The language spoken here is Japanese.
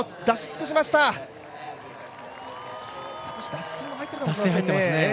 脱水入ってますね。